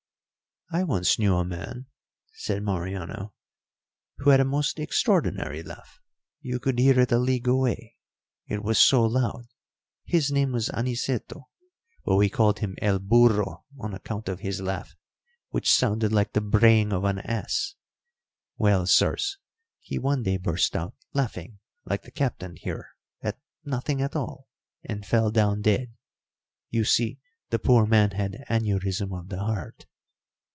"I once knew a man," said Mariano, "who had a most extraordinary laugh; you could hear it a league away, it was so loud. His name was Aniceto, but we called him El Burro on account of his laugh, which sounded like the braying of an ass. Well, sirs, he one day burst out laughing, like the Captain here, at nothing at all, and fell down dead. You see, the poor man had aneurism of the heart."